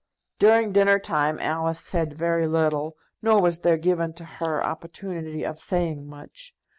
During dinner time Alice said very little, nor was there given to her opportunity of saying much.